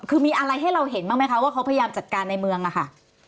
คือมีอะไรให้เราเห็นบ้างไหมคะว่าเขาพยายามจัดการในเมืองอะค่ะ